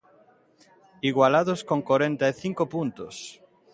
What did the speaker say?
Igualados con corenta e cinco puntos.